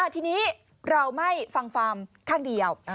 ทีนี้เราไม่ฟังฟาร์มข้างเดียว